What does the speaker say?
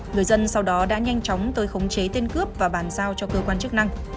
người dân sau đó đã nhanh chóng tới khống chế tên cướp và bàn giao cho cơ quan chức năng